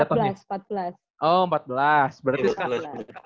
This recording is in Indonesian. oh empat belas berarti sekarang